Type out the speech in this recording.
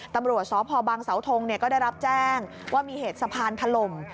ตำรวจสพบังเสาทงก็ได้รับแจ้งว่ามีเหตุสะพานถล่ม